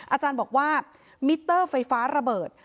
อาจารย์บอกว่ามิเตอร์ไฟฟ้าระเบิด